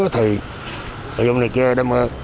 thì vô đề kia